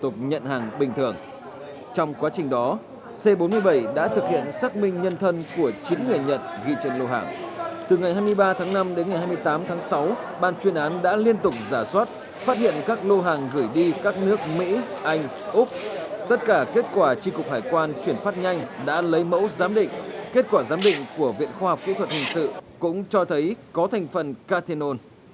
kết quả giám định của viện khoa học kỹ thuật hình sự cũng cho thấy có thành phần catenon